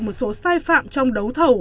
một số sai phạm trong đấu thầu